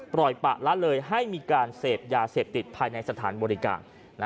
ปล่อยปะละเลยให้มีการเสพยาเสพติดภายในสถานบริการ